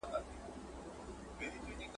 د اګسټ د میاشتي پر دیارلسمه !.